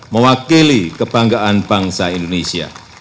mewakili kebanggaan bangsa indonesia